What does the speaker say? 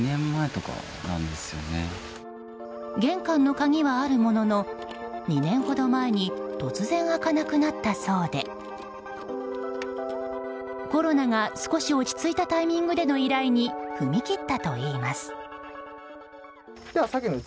玄関の鍵はあるものの２年ほど前に突然開かなくなったそうでコロナが少し落ち着いたタイミングでの依頼に踏み切ったといいます。